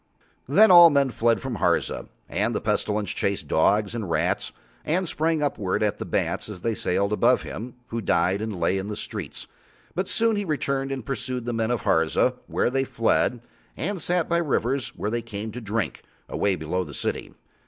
Then all men fled from Harza, and the Pestilence chased dogs and rats and sprang upward at the bats as they sailed above him, who died and lay in the streets. But soon he returned and pursued the men of Harza where they fled, and sat by rivers where they came to drink, away below the city.